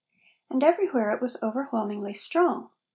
And everywhere it was overwhelmingly strong.